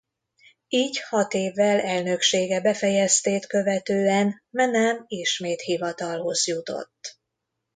Így hat évvel elnöksége befejeztét követően Menem ismét hivatalhoz jutott.